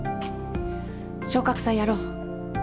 昇格祭やろう。